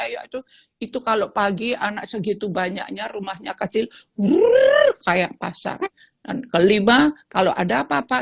yaitu itu kalau pagi anak segitu banyaknya rumahnya kecil worr kayak pasar dan kelima kalau ada apa apa